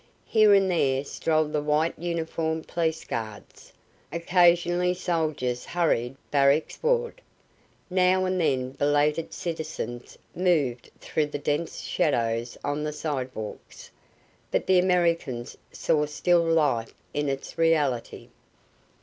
Here and there strolled the white uniformed police guards; occasionally soldiers hurried barracksward; now and then belated citizens moved through the dense shadows on the sidewalks, but the Americans saw still life in its reality.